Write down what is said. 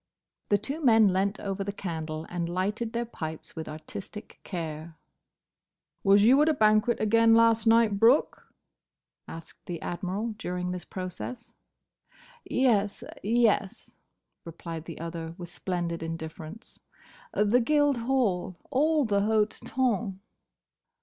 The two men leant over the candle and lighted their pipes with artistic care. "Was you at a banquet again last night, Brooke?" asked the Admiral, during this process. "Yes—yes," replied the other, with splendid indifference. "The Guildhall. All the hote tonn."